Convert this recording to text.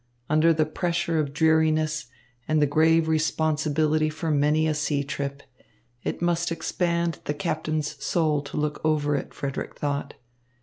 Under the pressure of dreariness and the grave responsibility for many a sea trip, it must expand the captain's soul to look over it, Frederick thought.